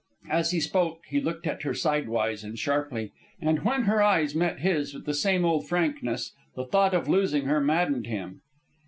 As he spoke, he looked at her side wise, and sharply; and when her eyes met his with the same old frankness, the thought of losing her maddened him.